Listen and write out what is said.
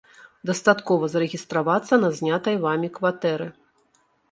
Дастаткова зарэгістравацца на знятай вамі кватэры.